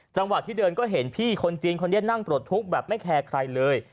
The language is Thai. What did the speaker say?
จังหวะที่เดินก็เห็นพี่คนจีนคนนี้นั่งปลดทุกข์แบบไม่แคร์ใครเลย